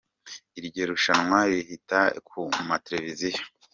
Iryo rushanwa rihita ku ma Televiziyo.